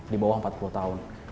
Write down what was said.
di bawah empat puluh tahun